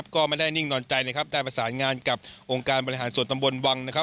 ก็ไม่ได้นิ่งนอนใจนะครับได้ประสานงานกับองค์การบริหารส่วนตำบลวังนะครับ